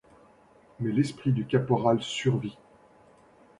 Mais l'esprit du caporal survit.